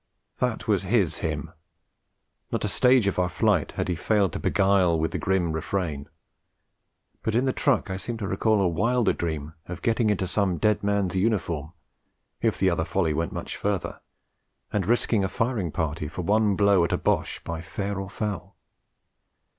That was his hymn; not a stage of our flight had he failed to beguile with the grim refrain; but in the truck I seem to recall a wilder dream of getting into some dead man's uniform, if the other folly went much further, and risking a firing party for one blow at a Boche by fair or foul.